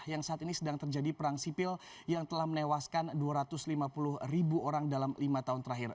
yang saat ini sedang terjadi perang sipil yang telah menewaskan dua ratus lima puluh ribu orang dalam lima tahun terakhir